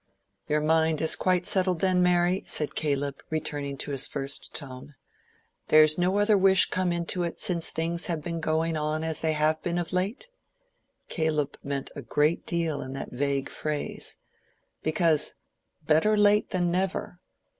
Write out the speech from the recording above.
"Your mind is quite settled, then, Mary?" said Caleb, returning to his first tone. "There's no other wish come into it since things have been going on as they have been of late?" (Caleb meant a great deal in that vague phrase;) "because, better late than never.